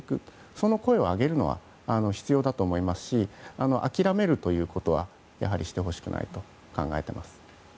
その声を上げることは必要だと思いますし諦めるということはしてほしくないと考えています。